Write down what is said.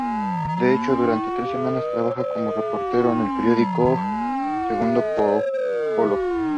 De hecho, durante tres semanas trabaja como reportero en el periódico "Il Popolo.".